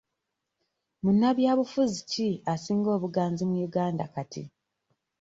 Munnabyabufuzi ki asinga obuganzi mu Uganda kati?